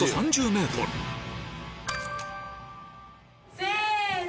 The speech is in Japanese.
せの！